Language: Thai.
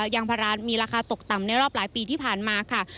ยางพารามีราคาตกต่ำในรอบหลายปีที่ผ่านมาค่ะ